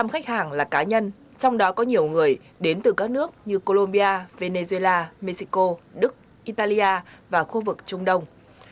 một mươi khách hàng là cá nhân trong đó có nhiều người đến từ các nước như colombia venezuela mexico đức italia và khu vực trung đông